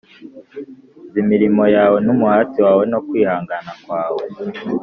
‘Nzi imirimo yawe n’umuhati wawe no kwihangana kwawe,